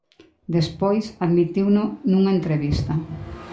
Despois, admitiuno nunha entrevista.